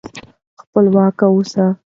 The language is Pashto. خپلواک اوسئ.